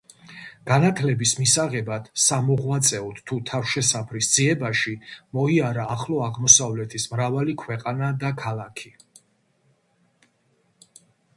განათლების მისაღებად, სამოღვაწეოდ თუ თავშესაფრის ძიებაში მოიარა ახლო აღმოსავლეთის მრავალი ქვეყანა და ქალაქი.